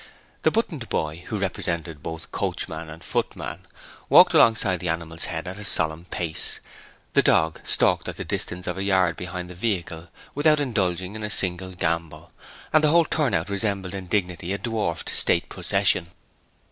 The buttoned boy, who represented both coachman and footman, walked alongside the animal's head at a solemn pace; the dog stalked at the distance of a yard behind the vehicle, without indulging in a single gambol; and the whole turn out resembled in dignity a dwarfed state procession.